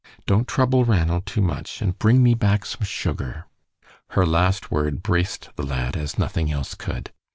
Don't trouble Ranald too much, and bring me back some sugar." Her last word braced the lad as nothing else could.